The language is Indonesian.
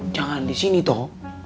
jangan di sini toh